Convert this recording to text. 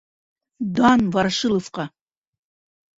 Дан Ворошиловҡа!